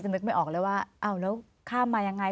นึกไม่ออกเลยว่าอ้าวแล้วข้ามมายังไง